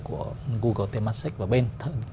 của google temasek và bên